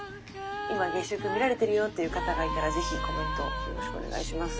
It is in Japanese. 今月食見られてるよっていう方がいたらぜひコメントよろしくお願いします。